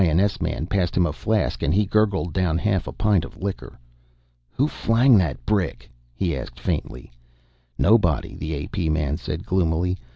N.S. man passed him a flask and he gurgled down half a pint of liquor. "Who flang that brick?" he asked faintly. "Nobody," the A.P. man said gloomily.